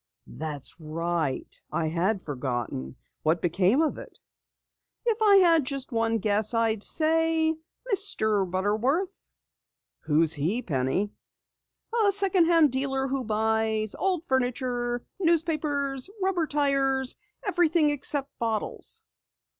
"That's right! I had forgotten. What became of it?" "If I had just one guess, I'd say Mr. Butterworth." "Who is he, Penny?" "A second hand dealer who buys old furniture, newspapers, rubber tires everything except bottles."